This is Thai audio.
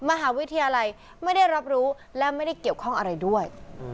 มหาวิทยาลัยไม่ได้รับรู้และไม่ได้เกี่ยวข้องอะไรด้วย